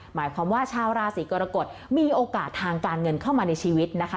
หมายความว่าชาวราศีกรกฎมีโอกาสทางการเงินเข้ามาในชีวิตนะคะ